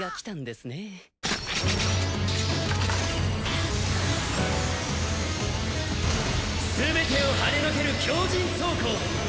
すべてをはねのける強じん装甲！